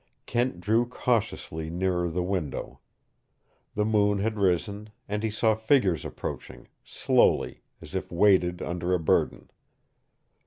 Kent drew cautiously nearer the window. The moon had risen, and he saw figures approaching, slowly, as if weighted under a burden.